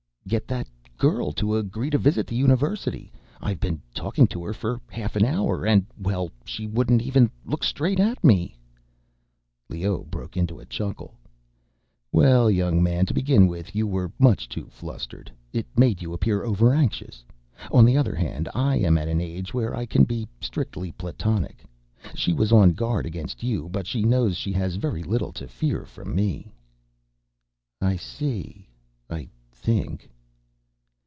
"Get that girl to agree to visit the university. I've been talking to her for half an hour, and, well, she wouldn't even look straight at me." Leoh broke into a chuckle. "Well, young man, to begin with, you were much too flustered. It made you appear overanxious. On the other hand, I am at an age where I can be strictly platonic. She was on guard against you, but she knows she has very little to fear from me." "I see ... I think."